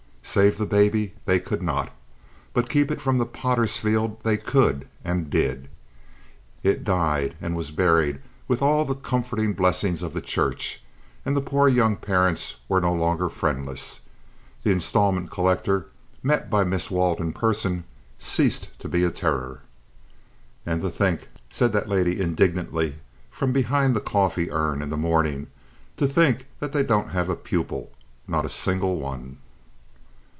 Save the baby they could not, but keep it from the Potter's Field they could and did. It died, and was buried with all the comforting blessings of the Church, and the poor young parents were no longer friendless. The installment collector, met by Miss Wald in person, ceased to be a terror. "And to think," said that lady indignantly from behind the coffee urn in the morning, "to think that they don't have a pupil, not a single one!"